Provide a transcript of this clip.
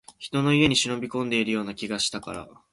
人の家に忍び込んでいるような気がしたから